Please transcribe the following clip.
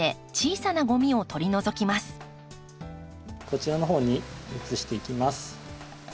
こちらのほうに移していきます。